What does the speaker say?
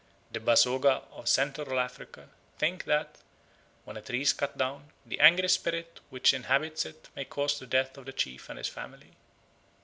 The Basoga of Central Africa think that, when a tree is cut down, the angry spirit which inhabits it may cause the death of the chief and his family.